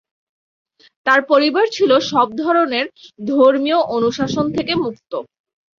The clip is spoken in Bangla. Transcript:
তার পরিবার ছিল সব ধরনের ধর্মীয় অনুশাসন থেকে মুক্ত।